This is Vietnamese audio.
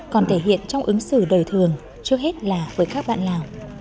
còn thể hiện trong ứng xử đời thường trước hết là với các bạn lào